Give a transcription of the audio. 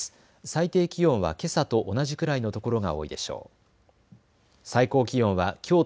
最低気温はけさと同じくらいの所が多いでしょう。